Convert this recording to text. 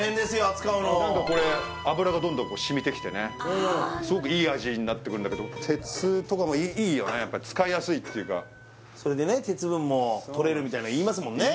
扱うの何かこれ油がどんどん染みてきてねすごくいい味になってくるんだけど鉄とかもいいよねやっぱ使いやすいっていうかそれでね鉄分もとれるみたいなの言いますもんね